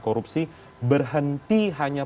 korupsi berhenti hanya